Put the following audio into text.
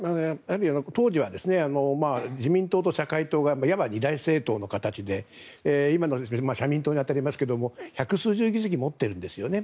当時は自民党と社会党がいわば二大政党の形で今の社民党に当たりますが百数十議席持っているんですね。